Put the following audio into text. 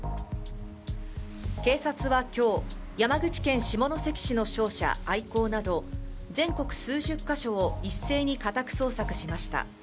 警察は今日、山口県下関市の商社アイコーなど全国数十か所を一斉に家宅捜索しました。